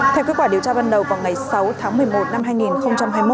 theo kết quả điều tra ban đầu vào ngày sáu tháng một mươi một năm hai nghìn hai mươi một